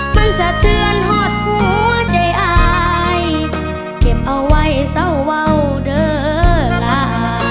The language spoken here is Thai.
มันสะเทือนหอดหัวใจอายเก็บเอาไว้เศร้าเว้าวเด้อลา